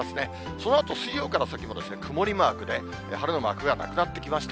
そのあと水曜から先も曇りマークで、晴れのマークがなくなってきました。